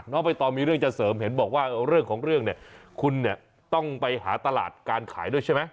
ใบตองมีเรื่องจะเสริมเห็นบอกว่าเรื่องของเรื่องเนี่ยคุณเนี่ยต้องไปหาตลาดการขายด้วยใช่ไหม